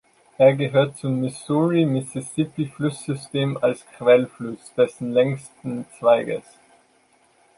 Er gehört zum Missouri-Mississippi-Flusssystem als Quellfluss dessen längsten Zweiges.